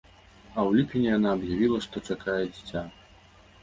А ў ліпені яна аб'явіла, што чакае дзіця.